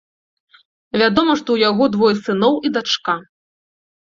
Вядома, што ў яго двое сыноў і дачка.